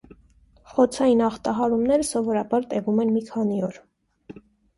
Խոցային ախտահարումները սովորաբար տևում են մի քանի օր։